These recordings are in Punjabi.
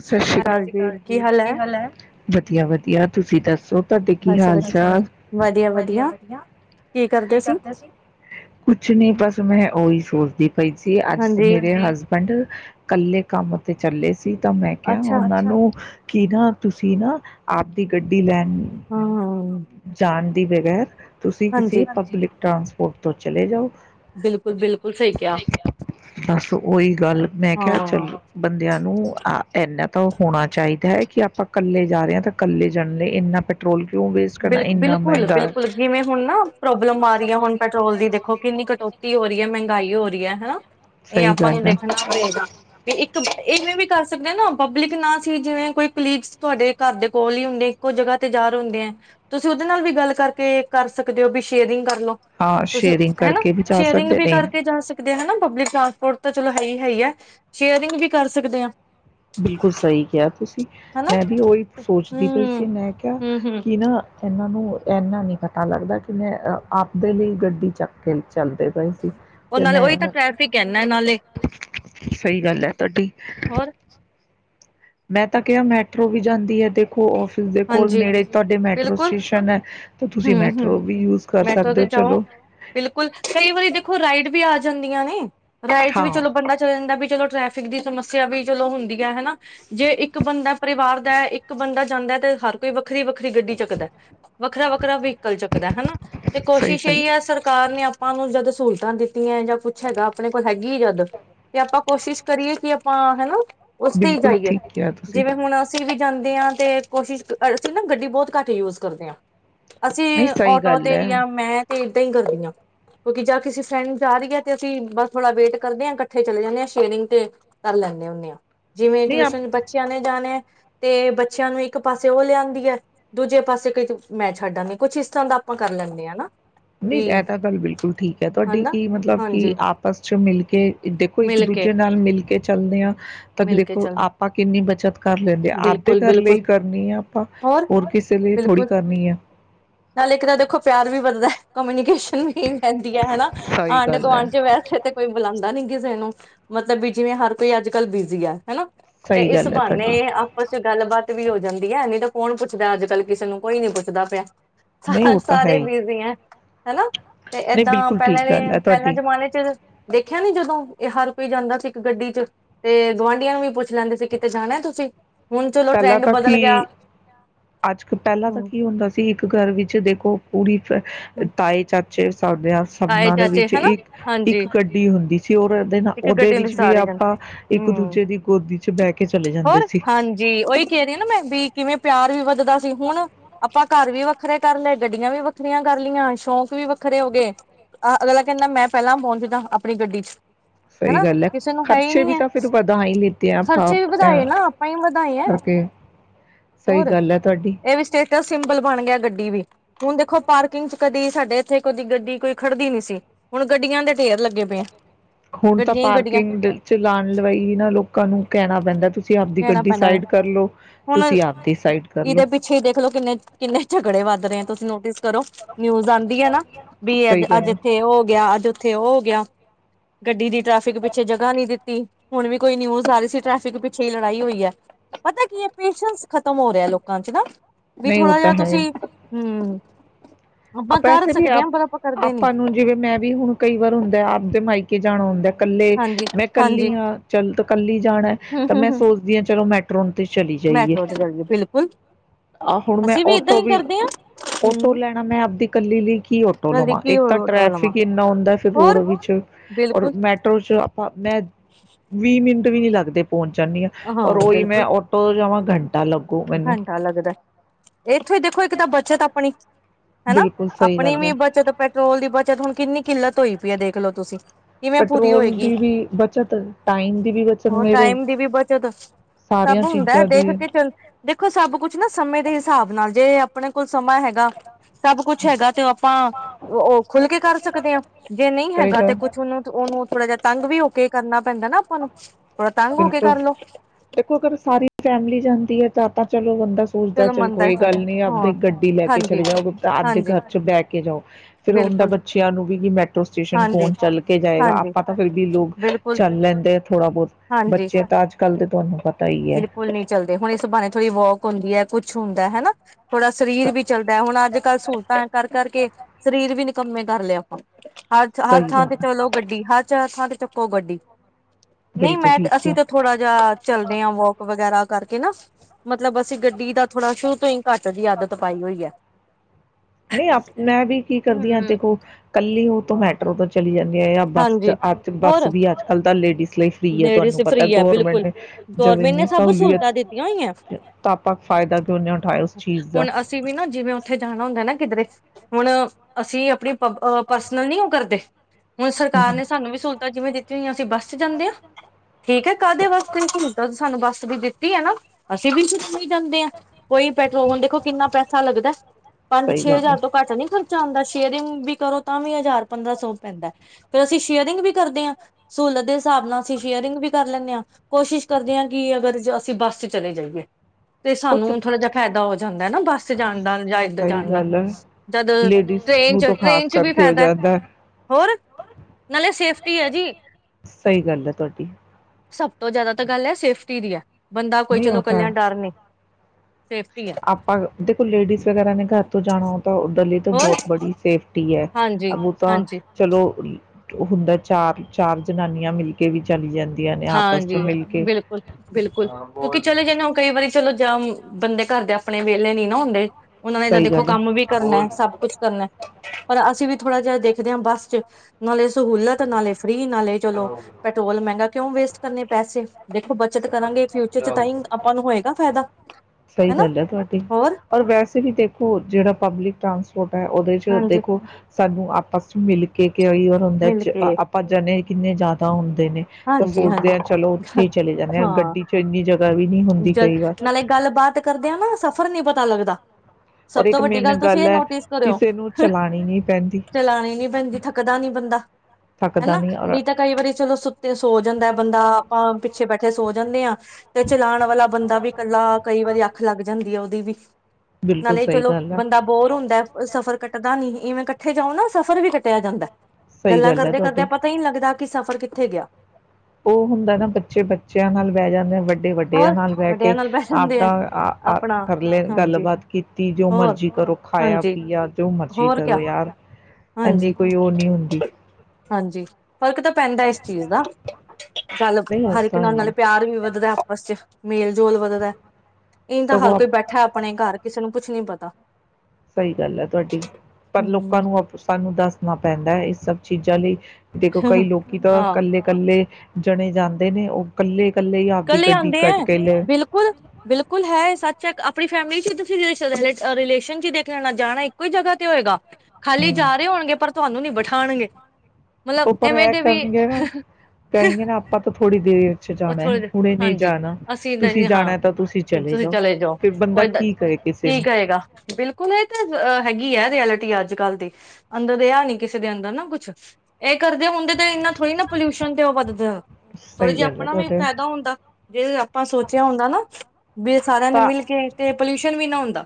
ਸਤਿ ਸ਼੍ਰੀ ਅਕਾਲ ਜੀ ਕੀ ਹਾਲ ਹੈ। ਵਧੀਆ ਵਧੀਆ ਤੁਸੀਂ ਦੱਸੋ। ਤੁਹਾਡੇ ਕੀ ਬਸ ਹਾਲ ਵਧੀ ਚਾਲ ਵਧੀਆ ਵਧੀਆ-ਵਧੀਆ ਵਧੀਆ ਕੀ ਕਰਦੇ ਸੀ ਕੁਛ ਨੀ ਬਸ ਮੈਂ ਉਹੀ ਸੋਚਦੀ ਹੋਈ ਸੀ ਅੱਜ ਹਾਂਜੀ ਮੇਰੇ ਹਸਬੈਂਡ ਇਕੱਲੇ ਕੰਮ ਅਤੇ ਚੱਲੇ ਸੀ। ਤਾਂ ਮੈਂ ਕਿਹਾ ਅੱਛਾ ਉਹਨਾਂ ਨੂੰ ਕਿ ਨਾ ਤੁਸੀਂ ਨਾ ਆਪਦੀ ਗੱਡੀ ਲੈਣ ਹਾਂ ਜਾਣ, ਦੀ ਬਗੈਰ ਤੁਸੀਂ ਕਿਸੇ ਹਾਂਜੀ [unintelligible] ਟਰਾਂਸਪੋਰਟ ਤੋਂ ਚਲੇ ਜਾਓ। ਬਿਲਕੁਲ-ਬਿਲਕੁਲ ਸਹੀ ਕਿਹਾ ਬਸ ਉਹੀ ਗੱਲ ਮੈਂ ਕਿਹਾ ਹਾਂ। ਚਲੋ ਬੰਦਿਆਂ ਨੂੰ ਆ ਇੰਨਾ ਤਾਂ ਉਹ ਹੋਣਾ ਚਾਹੀਦਾ ਹੈ, ਕਿ ਆਪਾਂ ਇਕੱਲੇ ਜਾ ਰਹੇ ਹਾਂ ਤਾਂ ਇਕੱਲੇ ਜਾਣ ਲਈ ਇੰਨਾ ਪੈਟਰੋਲ ਕਿਉਂ ਵੇਸਟ ਕਰਨਾ ਬਿਲ ਇੰਨਾ ਬਿਲਕੁਲ ਮਹਿੰਗਾ ਬਿਲਕੁਲ ਜਿਵੇਂ ਹੁਣ ਨਾ ਪ੍ਰੋਬਲਮ ਆ ਰਹੀ ਹੈ, ਹੁਣ ਪੈਟਰੋਲ ਦੀ ਦੇਖੋ ਕਿੰਨੀ ਕਟੌਤੀ ਹੋ ਰਹੀ ਹੈ, ਮਹਿੰਗਾਈ ਹੋ ਰਹੀ ਹੈ ਹਨਾ। ਹੈ। ਇਹ ਸਹੀ ਆਪਾਂ ਗੱਲ ਨੂੰ ਹੈ। ਦੇਖਣਾ ਪਏਗਾ ਵੀ ਇੱਕ ਇਵੇਂ ਵੀ ਕਰ ਸਕਦੇ ਹਾਂ ਨਾ ਪਬਲਿਕ ਨਾ ਸੀ ਜਿਵੇਂ ਕੋਈ ਕਲੀਗਸ ਤੁਹਾਡੇ ਘਰ ਦੇ ਕੋਲ ਹੀ ਹੁੰਦੇ ਇੱਕੋ ਜਗ੍ਹਾ ਤੇ ਜਾ ਰਹੇ ਹੁੰਦੇ ਆ। ਤੁਸੀਂ ਉਹਦੇ ਨਾਲ ਵੀ ਗੱਲ ਕਰਕੇ ਕਰ ਸਕਦੇ ਹੋ ਵੀ ਸ਼ੇਅਰਿੰਗ ਕਰ ਲਓ ਹਾਂ ਤੁਸੀਂ ਸ਼ੇਅਰਿੰਗ ਹਨਾ ਕਰਕੇ ਵੀ ਜਾ ਸ਼ੇਅਰਿੰਗ ਸਕਦੇ ਨੇ। ਵੀ ਕਰਕੇ ਜਾ ਸਕਦੇ ਹੋ ਹਨਾ। ਪਬਲਿਕ ਟ੍ਰਾਂਸਪੋਰਟ ਤਾਂ ਚਲੋ ਹਈ ਹਈ ਹੈ ਸ਼ੇਅਰਿੰਗ ਵੀ ਕਰ ਸਕਦੇ ਆ। ਬਿਲਕੁਲ ਸਹੀ ਕਿਹਾ ਤੁਸੀਂ ਹਨਾ ਮੈਂ ਵੀ ਉਹੀ ਸੋਚਦੀ ਪਈ ਹੂੰ ਸੀ ਮੈਂ ਕਿਹਾ ਹੂੰ ਹੂੰ ਕਿ ਨਾ ਇਹਨਾਂ ਨੂੰ ਇਨਾ ਨਹੀਂ ਪਤਾ ਲੱਗਦਾ। ਕਿ ਮੈਂ ਆਪਦੇ ਲਈ ਗੱਡੀ ਚ, ਪੱਕੇ ਈ। ਚੱਲਦੇ ਪਏ ਸੀ ਉਹ ਤੇ ਨਾਲੇ ਮੈਂ ਉਹੀ ਤਾਂ ਨਾ ਟ੍ਰੈਫਿਕ ਹੈ ਨਾ ਨਾਲੇ ਸਹੀ ਗੱਲ ਹੈ, ਤੁਹਾਡੀ ਹੋਰ ਮੈਂ ਤਾਂ ਕਿਹਾ ਮੈਟਰੋ ਵੀ ਜਾਂਦੀ ਹੈ। ਦੇਖੋ ਔਫੀਸ ਦੇ ਕੋਲ ਹਾਂਜੀ ਨੇੜੇ ਤੁਹਾਡੇ ਮੈਟਰੋ ਬਿਲਕੁਲ ਸਟੇਸ਼ਨ ਹੈ, ਤੇ ਤੁਸੀਂ ਹੂੰ ਹੂੰ ਮੈਟਰੋ ਵੀ ਯੂਜ ਕਰ ਮੈਟਰੋ ਸਕਦੇ ਤੇ ਹੋ ਜਾਓ ਚਲੋ। ਜਾਦੀਆਂ ਨੇ, ਰਾਈਟ ਚ ਵੀ ਹਾਂ। ਚਲੋ ਬੰਦਾ ਚਲ ਜਾਂਦਾ ਚਲੋ ਟ੍ਰੈਫਿਕ ਦੀ ਸਮੱਸਿਆ ਵੀ ਚਲੋ ਹੁੰਦੀ ਹੈ ਹਨਾ, ਜੇ ਇੱਕ ਬੰਦਾ ਪਰਿਵਾਰ ਦਾ ਇੱਕ ਇੱਕ ਬੰਦਾ ਜਾਂਦਾ ਤੇ ਹਰ ਕੋਈ, ਇਹ ਵੱਖਰੀ ਗੱਡੀ ਚੱਕਦਾ, ਵੱਖਰਾ ਵੱਖਰਾ ਵੀ, ਕਲ ਚੁੱਕਦਾ ਹਨਾ ਤੇ ਸਹੀ ਕੋਸ਼ਿਸ਼ ਗੱਲ ਇਹੀ ਹੈ ਸਰਕਾਰ ਸਾਨੂੰ ਜਦ ਸਹੂਲਤਾਂ ਦਿੱਤੀਆਂ ਜਾਂ ਕੁਛ ਹੈਗਾ ਆਪਣੇ ਕੋਲ ਹੈਗੀ ਜਦ ਤੇ ਆਪਾਂ ਕੋਸ਼ਿਸ਼ ਕਰੀਏ ਕਿ ਆਪਾਂ ਹਨਾ। ਉਸ ਤੇ ਹੀ ਬਿਲਕੁਲ ਜਾਈਏ ਠੀਕ ਕਿਹਾ ਤੁਸੀਂ ਜਿਵੇਂ ਹੁਣ ਅਸੀਂ ਵੀ, ਤਿਆ ਤੇ ਕੋਸ਼ਿਸ਼ ਅਸੀਂ ਨਾ ਗੱਡੀ ਬਹੁਤ ਘੱਟ ਯੂਜ ਕਰਦੇ ਹਾਂ। ਅਸੀਂ ਨਹੀਂ ਸਹੀ ਆਟੋ ਗੱਲ ਤੇ ਹੈ ਜਾਂ ਮੈਂ, ਤੇ ਏਦਾਂ ਹੀ ਕਰਦੀ ਕਿਉਂਕਿ ਜ ਕਿਸੇ ਫਰੈਂਡ ਜਾ ਰਹੀ ਹੈ, ਤੇ ਅਸੀਂ ਬਸ ਥੋੜਾ ਵੇਟ ਕਰਦੇ ਹਾਂ ਇਕੱਠੇ ਚਲੇ ਜਾਂਦੇ ਹਾਂ ਸ਼ੇਅਰਿੰਗ ਤੇ ਕਰ ਲੈਨੇ ਹੋਨੇ ਆ। ਜਿਵੇਂ ਨਹੀਂ ਟਿਊਸ਼ਨ ਆਪ ਬੱਚਿਆਂ ਨੇ ਜਾਣਾ। ਤੇ ਬੱਚਿਆਂ ਨੂੰ ਇੱਕ ਪਾਸੇ ਉਹ ਲਿਆਂਦੀ ਐ ਦੂਜੇ ਪਾਸੇ ਕਈ ਮੈਂ ਛੱਡ ਆਨੀ ਕੁਝ ਇਸ ਤਰ੍ਹਾਂ ਦਾ ਆਪਾਂ ਕਰ ਲੈਦੇ ਆ ਨਾ। ਨਹੀਂ ਵੀ ਜਾ ਤਾਂ ਗੱਲ ਬਿਲਕੁਲ ਠੀਕ ਹੈ, ਤੁਹਾਡੀ ਹਨਾ ਕੀ ਮਤਲਬ ਕੀ ਹਾਂਜੀ ਆਪਸ ਚ ਮਿਲ ਕੇ ਦੇਖੋ ਇੱਕ ਮਿਲ ਕੇ ਦੂਜੇ ਨਾਲ ਮਿਲ ਕੇ। ਚਲਦੇ ਆਂ। ਤੱਕ ਮਿਲ ਕੇ ਦੇਖੋ ਚੱਲ ਆਪਾਂ ਕਿੰਨੀ ਬਚਤ ਕਰ ਲੈਂਦੇ ਆ ਆਪੇ ਬਿਲਕੁਲ ਕਰ ਬਿਲਕੁਲ ਲਈ ਕਰਨੀ ਆ ਆਪਾਂ ਹੋਰ ਕਿਸੇ ਲਈ ਥੋੜੀ ਬਿਲਕੁਲ ਕਰਨੀ ਹੈ। ਨਾਲ ਇੱਕ ਤਾਂ ਦੇਖੋ ਪਿਆਰ ਵੀ ਬਨਦਾ। ਕਮਨੀਕੇਸ਼ਨ ਪੈਂਦੀ ਆ ਹਨਾ ਸਹੀ ਆਂਡੇ ਤੋਂ ਗੱਲ ਐ, ਆਂਡੇ ਵੈਸੇ ਤੇ ਕੋਈ ਬੁਲੰਦ, ਹਨੀ ਕਿਸੇ ਨੂੰ ਮਤਲਬ ਵੀ ਜਿਵੇਂ ਹਰ ਕੋਈ ਅੱਜ ਕੱਲ ਹਰ ਕੋਈ ਬਿਜ਼ੀ ਆ। ਹਨਾ ਤੇ ਸਹੀ ਇਸ ਗੱਲ ਐ ਬਹਾਨੇ ਤੁਹਾਡੀ। ਆਪਸ ਚ ਗੱਲਬਾਤ, ਵੀ ਹੋ ਜਾਂਦੀ ਹੈ, ਐਵੇ ਕੌਣ ਪੁੱਛਦਾ ਅੱਜ ਕੱਲ ਕਿਸੇ ਨੂੰ ਕੋਈ ਨਹੀਂ ਪੁੱਛਦਾ ਪਿਆ। ਨਹੀਂ ਹਾਂ ਉਹ ਤਾਂ ਹੈ ਸਾਰੇ ਹੀ, ਬਿਜੀ ਹੈ, ਹਨਾ, ਤੇ ਨਹੀਂ ਇਦਾਂ ਬਿਲਕੁਲ ਠੀਕ ਪਹਿਲੇ ਗੱਲ ਐ ਵੀ ਪਹਿਲਾਂ ਤੁਹਾਡੀ। ਜਮਾਨੇ ਚ, ਦੇਖਿਆ ਨਹੀਂ ਜਦੋਂ ਇਹ ਹਰ ਕੋਈ ਜਾਂਦਾ ਸੀ, ਇੱਕ ਗੱਡੀ ਚ ਤੇ ਗੁਆਂਢੀਆਂ ਨੂੰ ਵੀ ਪੁੱਛ ਲੈਂਦੇ ਸੀ ਕਿਤੇ ਜਾਣਾ ਤੁਸੀਂ। ਹੁਣ ਚਲੋ ਪਹਿਲਾਂ ਟਰੈਂਡ ਤਾਂ ਕਿ ਬਦਲ ਗਿਆ। ਅੱਜ ਪਹਿਲਾਂ ਤਾਂ ਕੀ ਹੁੰਦਾ ਸੀ। ਘਰ ਵਿੱਚ ਦੇਖੋ ਪੁਰੀ, ਤਾਏ ਚਾ ਚ ਸਾਡੇ ਹਾਏ ਸਬਨਾਂ ਦੇ ਚਾਚੇ ਵਿੱਚ ਹਨਾ ਇੱਕ ਹਾਂਜੀ ਇੱਕ ਗੱਡੀ ਹੁੰਦੀ। ਚ ਉਹ ਰਹਿੰਦੇ ਨਾ ਇੱਕ ਉਹਦੇ ਗੱਡੀ ਨੂੰ ਵਿੱਚ ਵੀ ਸਾਰੇ ਜਾਣੇ ਆਪਾਂ ਇੱਕ ਹੂੰ ਦੂਜੇ ਦੀ ਗੋਦੀ ਚ ਬਹਿ ਕੇ ਚਲੇ ਜਾਂਦੇ ਹੋਰ ਸੀ। ਹਾਂਜੀ ਉਹੀ ਕਹਿ ਰਹੀ ਨਾ ਮੈਂ ਵੀ ਕਿਵੇਂ ਪਿਆਰ ਵੀ ਵੱਧਦਾ ਸੀ, ਹੁਣ ਆਪਾਂ ਘਰ ਵੀ ਵੱਖਰੇ ਕਰ ਲਏ ਗੱਡੀਆਂ ਵੀ ਵੱਖਰੀਆਂ ਕਰ ਲਈਆਂ, ਸ਼ੌਂਕ ਵੀ ਵੱਖਰੇ ਹੋ ਗਏ ਅਹ ਅਗਲਾ ਕਹਿੰਦਾ ਮੈਂ ਪਹਿਲਾਂ ਪਹੁੰਚਦਾ ਆਪਣੀ ਗੱਡੀ ਚ, ਸਹੀ ਹਨਾ ਗੱਲ ਹੈ, ਕਿਸੇ ਨੂੰ ਹੀ ਖਰਚੇ ਨਹੀਂ ਵੀ ਹੈ ਤਾਂ ਫਿਰ ਵਧਾ ਹੀ ਲਿਤੇ ਆ ਆਪਾਂ ਖਰਚੇ ਵੀ ਵਧਾਏ ਨਾ ਆਪਾਂ ਹੀ ਵਧਾਏ [inaudible] ਹੈ ਕਰਕੇ ਸਹੀ ਗੱਲ ਹੈ ਤੁਹਾਡੀ, ਤੇ ਸਿੰਬਲ ਬਣ ਗਿਆ ਗੱਡੀ ਵੀ, ਹੁਣ ਦੇਖੋ ਪਾਰਕਿੰਗ ਚ ਕਦੀ ਸਾਡੇ ਇੱਥੇ ਕਦੀ ਗੱਡੀ ਕੋਈ ਖੜਦੀ ਨੀ ਸੀ, ਹੁਣ ਗੱਡੀਆਂ ਦੇ ਢੇਰ ਲੱਗੇ ਪਏਂ ਹੁਣ ਤਾਂ ਪਾਰਕਿੰਗ ਚ ਲਾਣ ਲਈ ਵੀ ਨਾ ਲੋਕਾਂ ਨੂੰ ਕਹਿਣਾ ਪੈਂਦਾ, ਤੁਸੀਂ ਆਪਦੀ ਕਹਿਣਾ ਗੱਡੀ ਪੈਂਦਾ ਸਾਈਡ ਕਰ ਲਓ ਹੁਣ ਤੁਸੀਂ ਆਪ ਇਹਦੇ ਪਿੱਛੇ ਹੀ ਦੇਖਲੋ ਕਿੰਨੇ ਕਿੰਨੇ ਝਗੜੇ ਵੱਧ ਰਹੇ ਹੈਂ, ਤੁਸੀਂ ਨੋਟਿਸ ਕਰੋ ਨਿਊਜ਼ ਆਉਂਦੀ ਹੈ ਨਾ, ਵੀ ਸਹੀ ਗੱਲ ਅੱਜ ਆ। ਇੱਥੇ ਉਹ ਹੋ ਗਿਆ ਅੱਜ ਉੱਥੇ ਉਹ ਹੋ ਗਿਆ ਗੱਡੀ ਦੀ ਟਰੈਫਿਕ ਪਿੱਛੇ ਜਗਾ ਨੀ ਦਿੱਤ ਹੁਣ ਵੀ ਕੋਈ ਨਿਊਜ਼ ਆ ਰਹੀ ਸੀ ਟ੍ਰੈਫਿਕ ਪਿੱਛੇ ਹੀ ਲੜਾਈ ਹੋਈ ਹੈ, ਪਤਾ ਕੀ ਹੈ ਪੇਸ਼ਸ ਖ਼ਤਮ ਹੋ ਰਿਹਾ ਲੋਕਾਂ ਚ ਨਾ, ਵੀ ਨਹੀਂ ਉਹ ਥੋੜਾ ਜਿਹਾ ਤੁਸੀਂ ਹਮ ਆਪਾਂ ਕਰ ਵੈਸੇ ਵੀ ਸਕਦੇ ਆਪ ਹਾਂ ਪਰ ਕਰਦੇ ਨੀ ਆਪਾਂ ਨੂੰ ਜਿਵੇਂ ਮੈਂ ਵੀ ਹੁਣ ਕਈ ਵਾਰ ਹੁੰਦਾ ਆਪਦੇ ਮਾਈਕ ਕੇ ਜਾਣਾ ਹੁੰਦਾ ਕੱਲੇ ਹਾਂਜੀ ਮੈਂ ਕੱਲੀ ਹਾਂਜੀ ਹਾਂ ਚੱਲ ਤਾਂ ਕੱਲੀ ਜਾਣਾ ਹਮ ਤਾਂ ਮੈਂ ਹਮ ਹਮ ਸੋਚਦੀ ਆਾਂ ਚਲੋ ਮੈਟਰੋ ਤੇ ਚਲੀ ਜਾਈਏ ਮੈਟਰੋ ਤੇ ਚੱਲੀਏ ਬਿਲਕੁਲ ਆਹ ਹੁਣ ਮੈਂ ਅਸੀਂ ਏਦਾਂ ਔਟੋ ਹੀ ਵੀ, ਕਰਦੇ ਹਾਂ ਔਟੋ ਹਮ ਲੈਣਾ ਮੈਂ ਲੀ ਲਈ ਕੀ ਆਟੋ, [inaudible] ਜਲਦੀ ਕੀ ਹੋਰ ਲਵਾਂ ਹੋਰ ਬਿਲਕੁਲ ਮੈਂ ਵੀਹ ਮਿੰਟ ਵੀ ਨੀ ਲੱਗਦੇ ਪਹੁੰਚ ਜਾਂਨੀ ਹਾਂ, ਔਰ ਉਹੀ ਮੈਂ ਔਟੋ ਤੇ ਜਾਵਾਂ ਘੰਟਾ ਲੱਗੋ ਮੈਨੂੰ ਘੰਟਾ ਲੱਗਦਾ ਹੈਨਾ, ਬਿਲਕੁਲ ਸਹੀ ਆਪਣੀ ਗੱਲ ਵੀ ਹੈ। ਬੱਚਤ ਪੈਟਰੋਲ ਦੀ ਬੱਚਤ ਹੁਣ ਕਿੰਨੀ ਕਿੱਲਤ ਹੋਈ ਪਈ ਹੈ ਦੇਖਲੋ ਤੁਸੀਂ ਕਿਵੇਂ ਪੂਰੀ ਪੈਟਰੋਲ ਹੋਏਗੀ ਦੀ ਵੀ ਬਚਤ, ਟਾਈਮ ਦੀ ਵੀ ਬਚਤ ਹੋਰ ਮੇਰੇ ਟਾਈਮ ਦੀ ਵੀ ਬੱਚਤ ਸਾਰੀਆਂ ਸਭ ਹੁੰਦਾ ਚੀਜ਼ਾਂ ਦੇਖ ਦੀ ਕੇ ਚਲ, ਦੇਖੋ ਸਭ ਕੁਛ ਨਾ ਸਮੇਂ ਦੇ ਹਿਸਾਬ ਨਾਲ ਜੇ ਆਪਣੇ ਕੋਲ ਸਮਾਂ ਹੈਗਾ ਸਭ ਕੁਛ ਹੈਗਾ ਤੇ ਉਹ ਆਪਾਂ, ਉਹ ਖੁੱਲ ਕੇ ਕਰ ਸਕਦੇ ਹਾਂ ਜੇ ਨਹੀਂ ਸਹੀ ਹੈਗਾ ਤੇ ਗੱਲ ਕੁਛ ਉਹਨੂੰ ਤੇ ਉਹਨੂੰ ਥੋੜਾ ਜਿਹਾ ਤੰਗ ਵੀ ਹੋ ਕੇ ਕਰਨਾ ਪੈਂਦਾ ਨਾ ਆਪਾਂ ਨੂੰ ਥੋੜਾ ਤੰਗ ਹੋ ਕੇ ਬਿਲਕੁਲ ਕਰ ਲੋ ਦੇਖੋ ਅਗਰ ਸਾਰੀ ਫੈਮਿਲੀ ਜਾਂਦੀ ਹੈ ਜਾਂ ਤਾਂ ਚਲੋ ਬ ਸੋਚਦਾ ਚਲੋ ਚੱਲ ਮੰਨਦਾ ਕੋਈ ਗੱਲ ਸੋਦਾ ਨਹੀਂੀ ਆਪਦੇ ਹਾਂ ਗੱਡੀ ਲੈ ਕੇ ਹਾਂਜੀ ਚਲੇ ਜਾਓ ਆਪਦੇ ਹਾਂਜੀ ਕਾਰ ਚ ਬਹਿ ਕੇ ਜਾਓ ਫੇਿਰ ਉਹਦਾ ਬਿਲਕੁਲ ਬੱਚਿਆਂ ਨੂੰ ਵੀ ਮੈ ਸਟੇਸ਼ਨ ਹਾਂਜੀ ਕੌਣ ਚੱਲ ਕੇ ਜਾਏਗਾ ਹਾਂਜੀ ਆਪਾਂ ਤਾਂ ਫਿਰ ਵੀ ਲੋਕ ਬਿਲਕੁਲ ਚੱਲ ਲੈਂਦੇ ਆ ਥੋੜਾ ਬਹੁਤ ਹਾਂਜੀ ਬੱਚੇ ਤਾਂ ਅੱਜ ਕੱਲ੍ਹ ਦੇ ਤੁਹਾਨੂੰ ਪਤਾ ਹੀ ਹੈ ਬਿਲਕੁਲ ਨੀ ਚੱਲਦੇ ਹੁਣ ਇਸ ਬਾਨੇ ਥੋੜ੍ਹੀ ਵੋਕ ਹੁੰਦੀ ਹੈ। ਕੁਛ ਹੁੰਦਾ ਹਨਾ। ਥੋੜਾ ਸਰੀਰ ਵੀ ਚੱਲਦਾ ਹੈ, ਹੁਣ ਅੱਜ ਕੱਲ੍ਹ ਸਹੂਲਤਾਂ ਕਰ। ਕਰਕੇ ਸਰੀਰ ਵੀ ਨਿਕੰਮੇ ਕਰ ਲਿਆ ਆਪਾਂ ਹਰ ਹਰ ਸਹੀ ਗੱਲ ਥਾਂ ਤੇ ਹੈ। ਚਲੋ ਗੱਡੀ ਹਰ [unintelligible] ਥਾਂ ਤੇ ਚੁੱਕੋ ਗੱਡੀ, ਨਹੀਂ ਬਿਲਕੁਲ ਮੈਂ ਠੀਕ ਅਸੀਂ ਕਿਆ। ਤਾਂ ਥੋੜਾ ਜਿਹਾ ਚੱਲਦੇ ਹਾਂ ਵੋਕ ਵਗੈਰਾ ਕਰਕੇ ਨਾ, ਮਤਲਬ ਅਸੀਂ ਗੱਡੀ ਦਾ ਥੋੜ੍ਹਾ ਸ਼ੁਰੂ ਤੋਂ ਹੀ ਘੱਟ ਦੀ ਆਦਤ ਪਾਈ ਹੋਈ ਹੈ। ਨਹੀਂ ਆਪ ਮੈਂ ਵੀ ਕੀ ਕਰਦੀ ਹਾਂ ਦੇਖੋ ਕੱਲੀ ਉਹ ਤੋਂ ਮੈਟਰੋ ਤੇ ਚਲੀ ਜਾਂਦੀ। ਜਾਂ ਬੱਸ ਚ ਹਾਂਜੀ ਅੱ ਬੱਸ ਹੋਰ ਵੀ ਅੱਜ ਕੱਲ ਤਾਂ ਲੇਡੀਜ਼ ਲਈ ਫ੍ਰੀ ਹੈ, ਤੁਹਾਨੂੰ ਲੇਡੀਜ਼ ਪਤਾ ਫ੍ਰਰੀ ਹੈ ਬਿਲਕੁਲ ਗੌਰਮੈਂਟ ਨੇ ਜਦ ਗੌਰਮੈਂਟ ਨੇ ਇੰਨੀ ਸਭ ਸਹੂਲਤਾਂ ਸਹੂਲੀਤ ਦਿੱਤੀਆਂ ਹੋਈਆਂ ਤਾਂ ਆਪਾਂ ਫਾਇਦਾ ਕਿਉ ਨਾ ਉਠਾਇਆ ਉਸ ਚੀਜ਼ ਦਾ ਹੁਣ ਅਸੀਂ ਵੀ ਨਾ ਜਿਵੇਂ ਉੱਥੇ ਜਾਣਾ ਹੁੰਦਾ ਨਾ ਕਿਧਰੇ ਹੁਣ ਅਸੀਂ ਆਪਣੀ ਪਰਸਨਲ ਨਹੀਂ ਉਹ ਕਰਦੇ। ਹੁਣ ਸਰਕਾਰ ਹੂੰ। ਨੇ ਸਾਨੂੰ ਵੀ ਸਹੂਲਤਾਂ ਜਿਵੇਂ ਦਿ ਤੇ ਅਸੀਂ ਬੱਸ ਚ ਜਾਂਦੇ ਹਾਂ। ਠੀਕ ਹੈ, ਕਾਹਦੇ ਵਸਤੇ ਹੁੰਦਾ ਸਾਨੂੰ ਬਸ ਵੀ ਦਿੱਤੀ ਹੈ ਨਾ ਅਸੀਂ ਵੀ ਫਿਰ ਫ੍ਰੀ ਜਾਂਦੇ ਹਾਂ ਕੋਈ ਪੈਟਰੋਲ ਹੁਣ ਦੇਖੋ ਕਿੰਨਾ ਪੈਸਾ ਲੱਗਦਾ। ਪੰਜ ਸਹੀ ਛੇ ਗੱਲ ਹੈ। ਹਜ਼ਾਰ ਤੋਂ ਘੱਟ ਨੀ ਖਰਚਾ ਆਉਂਦਾ। ਸ਼ੇਅਰਿੰਗ ਵੀ ਕਰੋ ਤਾਂ ਵੀ ਹਜ਼ਾਰ ਪੰਦਰਾਂ ਸੌ ਪੈਂਦਾ, ਫਿਰ ਅਸੀਂ ਸ਼ੇਅਰਿੰਗ ਵੀ ਕਰਦੇ ਹਾਂ ਸਹੂਲਤ ਦੇ ਹਿਸਾਬ ਨਾਲ ਅਸੀਂ ਸ਼ੇਅਰਿੰਗ ਵੀ ਕਰ ਲੈਂਦੇ ਹਾਂ ਕੋਸ਼ਿਸ਼ ਕਰਦੇ ਹਾਂ ਕਿ ਅਗਰ ਅਸੀਂ ਬੱਸ ਚ ਚਲੇ ਜਾਈਏ। ਤੇ ਸਾਨੂੰ ਥੋੜ੍ਹਾ ਜਹਾ ਫਾਇਦਾ ਹੋ ਜਾਂਦਾ ਹੈ ਨਾ ਬੱਸ ਜਾਣ ਦਾ ਜਾਂ ਇੱਧਰ ਸਹੀ ਜਾਣ ਦਾ ਗੱਲ ਹੈ ਜਦ ਲੇਡੀਜ਼ ਟ੍ਰੇਨ ਨੂੰ ਚ ਤਾਂ ਖ਼ਾਸ ਟ੍ਰੇਨ ਚ ਵੀ ਕਰਕੇ ਹੋ ਫਾਇਦਾ ਜਾਂਦਾ ਹੈ। ਹੋਰ ਨਾਲੇ ਸੇਫਟੀ ਹੈ ਜੀ ਸਹੀ ਗੱਲ ਆ ਤੁਹਾਡੀ ਸਭ ਤੋਂ ਜ਼ਿਆਦਾ ਤਾਂ ਗੱਲ ਹੈ ਸੇਫਟੀ ਦੀ ਹੈ। ਬੰਦਾ ਕੋਈ ਨਹੀਂ ਚਲੋ ਉਹ ਤਾਂ ਇਕੱਲਿਆਂ ਹੈ। ਡਰ ਨਹੀਂ। ਆਪਾਂ ਦੇਖੋ ਲੇਡੀਜ਼ ਵਗੈਰਾ ਨੇ ਘਰ ਤੋਂ ਜਾਣਾ ਤਾਂ ਉਦਰਲੇ ਹੋਰ ਬਹੁਤ ਬੜੀ ਸੇਫ ਟੀ ਹੈ ਹਾਂਜੀ [unintelligible] ਤਾਂ ਹਾਂਜੀ ਚਲੋ। ਹੁੰਦਾ ਚਾਰ ਚਾਰ ਜਨਾਨੀਆਂ ਮਿਲ ਕੇ ਵੀ ਚਲ ਜਾਂਦੀ। ਹਾਂਜੀ ਬਿਲਕੁਲ ਬਿਲਕੁਲ, ਕਿਉਂਕਿ ਚਲੇ ਜ ਨਾ ਕਈ ਵਾਰੀ ਚਲੋ ਜਾਮ ਬੰਦੇ ਘਰ ਦੇ ਆਪਣੇ ਵਿਹਲੇ ਨੀ ਨਾ ਹੁੰਦੇ। ਉਹਨਾਂ ਨੇ ਤਾਂ ਦੇਖੋ ਕੰਮ ਵੀ ਕਰਨਾ ਸਭ ਕੁਛ ਕਰਨਾ ਪਰ ਅਸੀਂ ਵੀ ਥੋੜਾ ਜੇਹਾ ਦੇਖਦੇ ਹਾਂ ਬੱਸ ਚ ਨਾਲੇ ਸਹੂਲਿਯਤ ਨਾਲੇ ਫਰੀ ਨਾਲੇ ਚਲੋ ਪੈਟਰੋਲ ਮੈੰਗਾ ਵੇਸਟ ਕਰਨੇਂ ਪੈ ਸੇ। ਆਪਾਂ ਨੂੰ ਹੋਏਗਾ ਫਾਇਦਾ ਸਹੀ ਹਨਾ ਗੱਲ ਹੈ, ਤੁਹਾਡੀ ਹੋਰ ਔਰ ਵੈਸੇ ਵੀ ਦੇਖੋ ਜਿਹੜਾ ਪਬਲਿਕ ਟਰਾਂਸਪੋ ਰਟ ਹੈ, ਉਹਦੇ ਚ ਹਾਂਜੀ ਦੇਖੋ ਸਾਨੂੰ ਆਪ ਅਸੀ ਮਿਲ ਕੇ। ਕੀ ਐਈ ਐ ਹੁੰਦੈ ਮਿਲ ਚ ਆ ਕੇ ਆਪਾਂ ਜਣੇ ਕਿੰਨੇ ਜ਼ਿਆਦਾ ਹੁਣ ਦੇ ਨੇ ਤਾਂ, ਹਾਂਜੀ ਸੋਚਦੇ ਹਾਂਜੀ ਆਂ ਚਲੋ ਉੱਥੇ ਚਲੇ ਜਾਂਦੇ ਹਾਂ, ਗੱਡੀ 'ਚ ਇੰਨੀ ਜਗ੍ਹਾ ਵੀ ਨਹੀਂ ਹੁੰਦੀ ਕਈ ਵਾਰ ਤਾ ਲੱਗਦਾ। ਔਰ ਸਭ ਇੱਕ ਤੋਂ ਵੱਡੀ ਗੱਲ ਮੇਨ ਤੁਸੀਂ ਇਹ ਹੈ ਨੋਟਿਸ ਕਰਿਓ ਕਿਸੇ ਨੂੰ ਚਲਾਉਣੀ ਨਹੀਂ ਪੈਂਦੀ ਚਲਾਣੀ ਨੀ ਪੈਂਦੀ ਥੱਕਦਾ ਨੀ ਬੰਦਾ ਥੱਕਦਾ ਹੈਨਾ, ਔਰ ਨਹੀਂ ਤਾਂ ਕਈ ਵਾਰੀ ਚਲੋ ਸੁ ਸੋ ਜਾਂਦਾ ਬੰਦਾ, ਆਪਾਂ ਪਿੱਛੇ ਬੈਠੇ ਸੋ ਜਾਂਨੇ ਆਂ। ਤੇ ਚਲਾਣ ਵਾਲਾ ਬੰਦਾ ਵੀ ਇਕੱਲਾ, ਕਈ ਵਾਰੀ ਅੱਖ ਲੱਗ ਜਾਂਦੀ ਹੈ ਉਹਦ ਦੀ ਵੀ। ਬਿਲਕੁਲ ਨਾਲੇ ਸਹੀ ਚਲੋ‌ ਗੱਲ ਆ। ਬੰਦਾ ਬੋਰ ਹੁੰਦਾ ਸਫ਼ਰ ਕੱਟਦਾ ਨੀ। ਇਵੇਂ ਕੱਠੇ ਜਾਓ ਨਾ ਸਫ਼ਰ ਵੀ ਕੱਟਿਆ ਜਾਂਦੈ। ਸਹੀ ਗੱਲਾਂ ਗੱਲ ਹੈ ਕਰਦੇ ਕਰਦੇ ਤੁਹਾਡੀ। ਪਤਾ ਹੀ ਨੀ ਲੱਗਦਾ ਕਿ ਸਫ਼ਰ ਕਿਥ ਕਿੱਥੇ ਗਿਆ। ਓਹ ਹੁੰਦਾ ਨਾ ਬੱਚੇ ਬੱਚਿਆਂ ਨਾਲ ਬਹਿ ਜਾਂਦੇ ਐ ਵੱਡੇ ਵੱਡਿਆਂ ਹੋਰ ਨਾਲ ਬਹਿ ਵੱਡਿਆਂ ਕੇ, ਨਾਲ ਬਹਿ ਜਾਂਦੇ ਆਪਦਾ ਆ ਆ ਆਪਣਾ ਕਰ ਲੈ ਹਾਂਜੀ ਗੱਲਬਾਤ ਕੀਤੀ, ਜੋ ਹੋਰ ਮਰਜ਼ੀ ਕਰੋ, ਖਾਇਆ ਹਾਂਜੀ ਪੀਆ ਜੋ ਮਰਜ਼ੀ ਹੋਰ ਕਰੋ, ਕਿਆ ਯਾਰ ਹਾਂਜੀ। ਏਨੀ ਕੋਈ ਉਹ ਨਹੀਂ ਹੁੰਦੀ। ਹਾਂਜੀ ਫ਼ਰਕ ਚੱਲ ਨਹੀਂ ਹਰ ਉਸ ਇੱਕ ਤਰ੍ਹਾਂ ਨਾਲ ਨਾਲੇ ਹੈਗੀ। ਪਿਆਰ ਵੀ ਵੱਧਦਾ ਆਪਸ ਚ। ਮੇਲ ਜੋਲ ਵੱਧਦਾ ਐ ਐਈ ਤਾਂ ਹਰ ਸਗੋਂ ਕੋਈ ਬੈਠਾ ਆਪਣੇ ਘਰ ਕਿਸੇ ਨੂੰ ਕੁੱਛ ਨੀ ਪਤ ਤਾ। ਸਹੀ ਗੱਲ ਹੈ, ਤੁਹਾਡੀ ਪਰ ਲੋਕਾਂ ਹਮ ਨੂੰ ਅਪ ਸਾਨੂੰ ਦੱਸਣਾ ਪੈਂਦ ਐ ਇਹ ਸਭ ਚੀਜ਼ਾਂ ਲਈ ਦੇਖੋ ਕਈ ਲੋਕੀ ਤਾਂ ਹਾਂ ਕੱਲੇ ਕੱਲੇ ਜਣੇ ਜਾਂਦੇ ਨੇ ਉਹ ਕੱਲੇ, ਕੱਲੇ ਹੀ ਆਪਦੀ ਇਕੱਲੇ ਗੱਡੀ ਆਉਂਦੇ ਹੈ, ਕੱਢ ਕੇ ਲੈ ਬਿਲਕੁਲ ਬਿਲਕੁਲ ਹੈ ਸੱਚ ਹੈ ਆਪਣੀ ਫੈਮਿਲੀ ਚ, ਰਿਲੇਸ਼ਨ ਚ ਦੇਖ ਲੈਣਾ ਜਾਣਾ ਇੱਕੋ ਹੀ ਜਗ੍ਹਾ ਤੇ ਹੋਏਗਾ। ਖਾਲੀ ਹੂੰ ਜਾ ਰਹੇ ਹੋਣਗੇ ਪਰ ਤੁਹਾਨੂੰ ਨੀ ਬ ਖਾਣਗੇ, ਉਹ ਪਰ ਇਹ ਕਰਨਗੇ ਨਾ ਕਹਿਣਗੇ ਨਾ ਆਪਾਂ ਤਾਂ ਥੋੜ੍ਹੀ ਦੇਰ ਚ ਉਹ ਜਾਣਾ ਹੈ। ਥੋੜੇ ਹੁਣੇ ਨਹੀਂ ਹਾਂਜੀ ਜਾਣਾ ਅਸੀਂ ਇਦਾਂ ਤੁਸੀਂ ਜਾਣਾ ਹਾਂ ਹੈ ਤਾਂ ਤੇ ਤੁਸੀਂ ਚਲੇ ਜਾਓ ਫਿਰ ਉਹ ਬੰਦਾ ਏਦਾਂ ਕੀ ਕਹੇ ਕਿਸੇ ਕੀ ਨੂੰ ਕਰਹੇਗਾ ਬਿਲਕੁਲ ਇਹ ਤਾਂ ਹੈਗੀ ਹੈ, ਰਐਲਿਟੀ ਅੱਜ ਅੱਜ ਕੱਲ ਦੇ ਅੰਦਰ ਦੇ ਆ ਨੀ ਕਿਸੇ ਦੇ ਅੰਦਰ ਨਾ ਕੁੱਛ ਇਹ, ਕਰਦੇ ਹੁੰਦੇ ਤੇ ਇੰਨਾ ਥੋੜ੍ਹੀ ਨਾ ਪੋਲਿਊਸ਼ਨ ਤੇ ਉਹ ਵੱਧਦੇ ਥੋੜ੍ਹਾ ਸਹੀ ਜਿਹਾ ਗੱਲ ਹੈ ਆਪਣਾ ਵੀ ਤੁਹਾਡੇ ਫ਼ਾਇਦਾ ਹੁੰਦਾ। ਫਿਲ ਆਪਾਂ ਸੋਚਿਆ ਹੁੰਦਾ ਨਾ। [inaudible] ਵੀ ਸਾਰਿਆਂ ਨੇ ਤਾਂ ਮਿਲ ਕੇ ਤੇ ਪੋਲਿਊਸ਼ਨ, ਫਿਰ ਵੀ ਨਾ ਹੁੰਦਾ।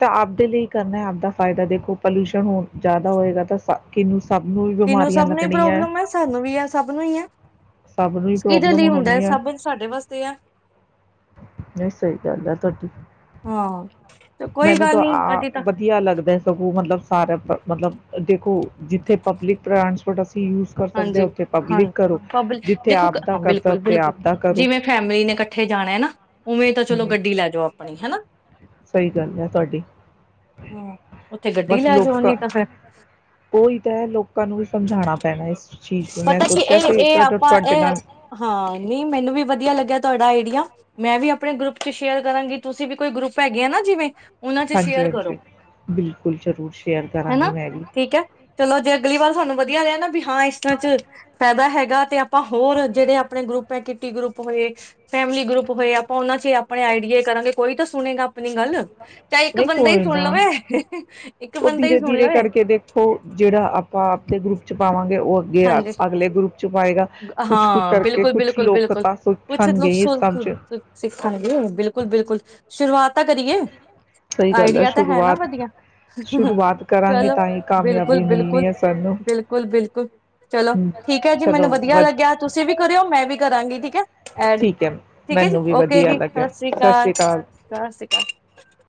ਤਾਂ ਆਪਦੇ ਲਈ ਕਰਨਾ ਆਪਦਾ ਫਾਇਦਾ ਦੇਖੋ ਪੋਲਿਊਸ਼ਨ ਹੋ ਜ਼ਿਆਦਾ ਹੋਏਗਾ ਤਾਂ ਕਿਹਨੂੰ ਤੈਨੂੰ ਸਭ ਨੂੰ ਹੀ ਪ੍ਰੋਬਲਮ ਐ ਸਾਨੂੰ ਵੀ ਐ ਸਭ ਨੂੰ ਹੀ ਐ। ਸਭ ਨੂੰ ਹੀ ਕਿਹਦੇ ਪ੍ਰੋਬਲਮ ਲਈ ਹੁੰਦਾ ਹੈ ਹੋਣੀ ਸਭ ਸਾਡੇ ਵਾਸਤੇ ਆ। ਨਹੀਂ ਸਹੀ ਗੱਲ ਆ ਤੁਹਾਡੀ, ਹਾਂ ਤੇ ਕੋਈ ਮੈਨੂੰ ਗੱਲ ਤਾਂ ਨੀ ਆ ਕਦੀ ਤਾਂ ਵਧੀਆ ਲੱਗਦਾ ਸਗੋਂ ਮਤਲਬ ਸਾਰਾ, ਮਤਲਬ ਦੇਖੋ ਜਿੱਥੇ ਪਬਲਿਕ ਟਰਾਂਸਪੋਰਟ, ਯੂਜ ਕਰ ਸਕਦੇ ਹਾਂ ਹਾਂਜੀ ਉੱਥੇ ਪਬਲਿਕ ਹਾਂਜੀ ਕਰੋ, ਪਬ ਜਿੱਥੇ ਦੇਖੋ ਆਪਾ ਹਾਂ ਕਰ ਬਿਲਕੁਲ ਸਕਦੇ ਆ ਬਿਲਕੁਲ ਆਪਾ ਕਰੋ। ਜਿਵੇਂ ਫੈਮਿਲੀ ਨੇ ਇਕੱਠੇ ਜਾਣਾ ਹੈ ਨਾ ਉਵੇਂ ਤਾਂ ਚਲੋ ਹਮ ਗੱਡੀ ਲੈ ਜਾਓ ਆਪਣੀ ਹਨਾ। ਸਹੀ ਗੱਲ ਹੈ, ਤੁਹਾਡੀ ਹਾਂ ਉੱਥੇ ਗੱਡੀ ਬਸ ਲੈ ਜਾਓ ਲੋਕਾਂ ਨੀ ਤਾਂ ਫੇਰ ਉਹੀ ਤਾਂ ਹੈ ਲੋਕਾਂ ਨੂੰ ਵੀ ਸਮਝਾਣਾ ਪੈ ਰਾਸ ਪਤਾ ਕੀ ਇਹ ਇਹ ਆਪਾਂ ਇਹ ਨਾਲ ਹਾਂ ਨ ਮੈਨੂੰ ਵੀ ਵਧੀਆ ਲੱਗਿਆ ਤੁਹਾਡਾ ਇਹ [unintelligible] ਮੈਂ ਵੀ ਆਪਣੇ ਗਰੁੱਪ ਚ ਸ਼ੇਅਰ ਕਰਾਂਗੀ ਤੁਸੀਂ ਵੀ ਕੋਈ ਗਰੁੱਪ ਹੈਗੇ ਆ ਨਾ ਜਿਵੇਂ ਉਹਨਾਂ ਚ ਹਾਂਜੀ ਸ਼ੇਅਰ ਕਰੋ ਹਾਂਜੀ ਬਿਲਕੁਲ ਜ਼ਰੂਰ ਸ਼ੇਅਰ ਕਰਾਂਗੀ ਹਨਾ ਮੈਂ ਵੀ ਠੀਕ ਹੈ ਚਲੋ ਜੇ ਅਗਲੀ ਵਾਰ ਸਾਨੂੰ ਵਧੀਆ ਰਿ ਨਾ ਵੀ ਹਾਂ [unintelligible] ਅੱ ਚ ਫੈਦਾ ਹੈਗਾ ਤੇ ਆਪਾਂ ਹੋਰ ਜਿਹੜੇ ਆਪਣੇ ਗਰੁੱਪ ਹੈ ਕਿਟੀ ਗਰੁੱਪ ਹੋਏ ਫੈਮਿਲੀ ਗਰੁੱਪ ਹੋਏ ਆਪਾਂ ਉਹਨਾਂ ਚ ਆਪਣੇ ਆਈਡੀਏ ਕਰਾਂਗੇ ਕੋਈ ਤਾਂ ਸੁਣੇਗਾ ਆਪਣੀ ਗੱਲ ਚਾਹੇ ਇੱਕ ਨਹੀਂ ਬੰਦਾ ਹੀ ਕੋਈ ਸੁਣ ਨਾ ਲਵੇ ਇੱਕ ਉਹ ਬੰਦਾ ਧੀਰੇ ਹੀ ਸੁਣ ਧੀਰੇ ਲਵੇ ਕਰਕੇ ਦੇਖੋ ਜਿਹੜਾ ਆਪਾਂ ਗਰੁੱਪ ਚ ਪਾਵਾਂਗੇ ਉਹ ਅੱਗੇ ਆ- ਹਾਂਜੀ ਅਗਲੇ ਗਰੁੱਪ 'ਚ ਪਾਏਗਾ ਕੁਛ ਕੁਛ ਹਾਂ ਕਰਕੇ ਬਿਲਕੁੱਲ ਕੁਛ ਬਿਲਕੁੱਲ ਲੋਕ ਬਿਲਕੁੱਲ ਤਾਂ ਕੁੱਛ ਸਿੱਖਣਗੇ ਇਸ ਸਭ 'ਚ [unintelligible] ਸਿੱਖਾਂਗੇ ਬਿਲਕੁੱਲ ਬਿਲਕੁੱਲ ਸ਼ੁਰੂਆਤ ਤਾਂ ਕਰੀਏ ਸਹੀ ਗੱਲ ਆਈਡੀਆ ਤਾਂ ਹੈ ਨਾ ਸ਼ੁਰੂਆਤ ਵਧੀਆ ਸ਼ੁਰੂਆਤ ਕਰਾਂਗੇ ਚਲੋ ਤਾਂ ਹੀ ਬਿਲਕੁੱਲ ਕਾਮਯਾਬੀ ਬਿਲਕੁੱਲ ਮਿਲਣੀ ਹੈ ਸਾਨੂੰ ਬਿਲਕੁੱਲ ਬਿਲਕੁੱਲ ਬਿੱਲ [unintelligible] ਚਲੋ ਠੀਕ ਹੈ ਜੀ ਚਲੋ ਮੈਨੂੰ ਵਧੀਆ ਵਧ ਲੱਗਿਆ ਤੁਸੀਂ ਵੀ ਕਰਿਓ ਮੈਂ ਵੀ ਕਰਾਂਗੀ ਠੀਕ ਹੈ ਐਡ ਠੀਕ ਹੈ ਠੀਕ ਹੈ ਜੀ ਮੈਨੂੰ ਵੀ ਓਕੇ ਵਧੀਆ ਜੀ ਸਤਿ ਲੱਗਿਆ ਸ਼੍ਰੀ ਸਤਿ ਅਕਾਲ ਸਤਿ ਸ਼੍ਰੀ ਅਕਾਲ।